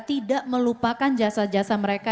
tidak melupakan jasa jasa mereka